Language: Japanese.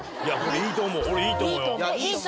いいと思う。